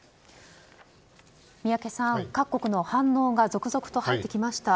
宮家さん各国の反応が続々と入ってきました。